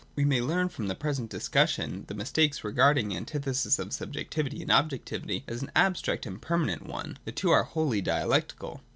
We may learn from the present discussion the mistake of regarding the antithesis of subjectivity and objectivity as an abstract and permanent one. The two are wholly dialectical.